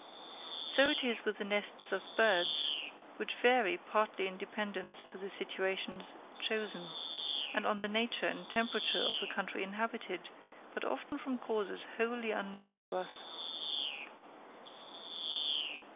So it is with the nests of birds, which vary partly in dependence on the situations chosen, and on the nature and temperature of the country inhabited, but often from causes wholly unknown to us.